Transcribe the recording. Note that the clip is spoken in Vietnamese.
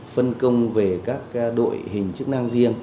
phân công về các đội hình chức năng riêng